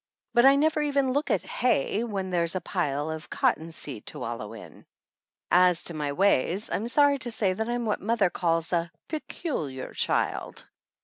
But I never even look at hay when there's a pile of cottonseed to wal low in. As to my ways, I'm sorry to say that I'm what mother calls a "peculiar child."